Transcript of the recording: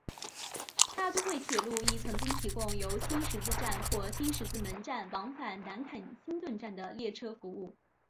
大都会铁路亦曾经提供由新十字站或新十字门站往返南肯辛顿站的列车服务。